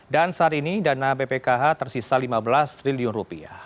saat ini dana bpkh tersisa lima belas triliun